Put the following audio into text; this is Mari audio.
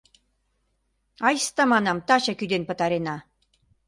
Айста, манам, тачак ӱден пытарена!